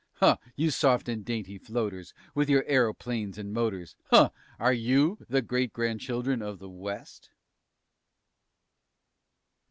_ Huh! you soft and dainty floaters, _With your a'roplanes and motors _ _Huh! are you the great grandchildren of the West!